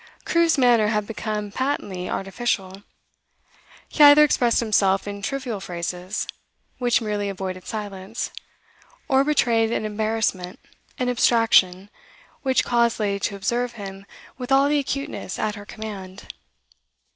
Crewe's manner had become patently artificial; he either expressed himself in trivial phrases, which merely avoided silence, or betrayed an embarrassment, an abstraction, which caused the lady to observe him with all the acuteness at her command.